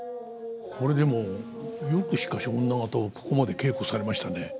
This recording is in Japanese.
これでもよくしかし女方をここまで稽古されましたね。